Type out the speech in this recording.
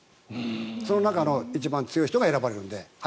その中の一番強い人が、速い人が選ばれるので。